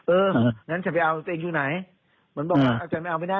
เอองั้นฉันไปเอาตัวเองอยู่ไหนมันบอกว่าอาจารย์ไม่เอาไปได้หรอก